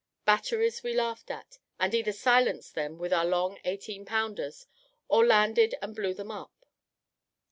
Batteries we laughed at, and either silenced them with our long eighteen pounders, or landed and blew them up.